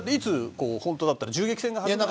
本当だったらいつ銃撃戦が始まるか。